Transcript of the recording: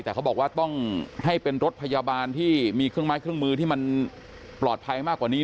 แต่เขาบอกว่าต้องให้เป็นรถพยาบาลที่มีเครื่องไม้เครื่องมือที่มันปลอดภัยมากกว่านี้